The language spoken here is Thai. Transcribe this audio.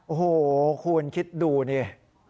โอ้โหคุณคิดดูนี่